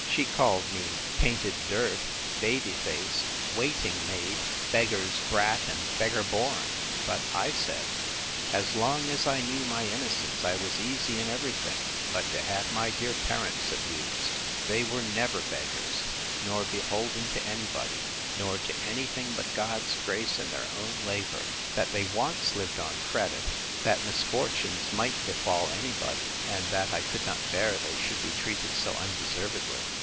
She called me painted dirt, baby face, waiting maid, beggar's brat, and beggar born; but I said, As long as I knew my innocence, I was easy in every thing, but to have my dear parents abused. They were never beggars, nor beholden to any body; nor to any thing but God's grace and their own labour; that they once lived in credit; that misfortunes might befall any body; and that I could not bear they should be treated so undeservedly.